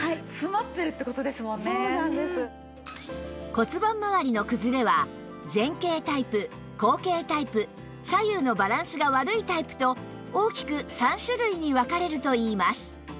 骨盤まわりの崩れは前傾タイプ後傾タイプ左右のバランスが悪いタイプと大きく３種類に分かれるといいます